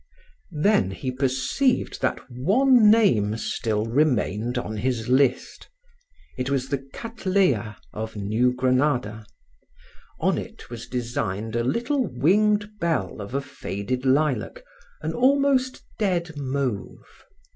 Then he perceived that one name still remained on his list. It was the Cattleya of New Granada. On it was designed a little winged bell of a faded lilac, an almost dead mauve.